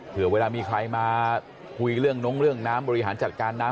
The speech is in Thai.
เผื่อเวลามีใครมาคุยเรื่องน้องเรื่องน้ำบริหารจัดการน้ำ